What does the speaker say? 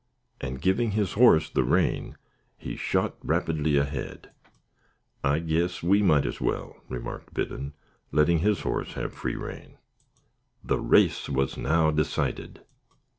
And giving his horse the rein, he shot rapidly ahead. "I guess we mought as well," remarked Biddon, letting his horse have free rein. The race was now decided.